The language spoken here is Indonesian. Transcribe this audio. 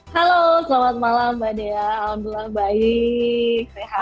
halo selamat malam mbak dea alhamdulillah baik sehat